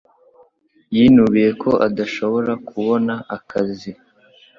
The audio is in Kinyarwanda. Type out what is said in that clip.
Yinubiye ko adashobora kubona akazi.